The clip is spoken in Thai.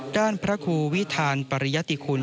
ด้านพระครูวิทานปริยติคุณ